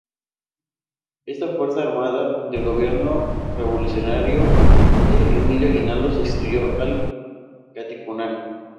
Esta fuerza armada del gobierno revolucionario de Emilio Aguinaldo sustituyó al Katipunan.